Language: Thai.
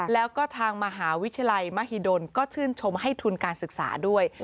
แล้วก็ทางมหาวิทยาลัยมหิดลก็ชื่นชมให้ทุนการศึกษาด้วย